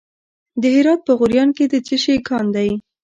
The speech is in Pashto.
د هرات په غوریان کې د څه شي کان دی؟